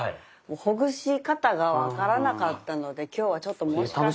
ほぐし方が分からなかったので今日はちょっともしかしたら。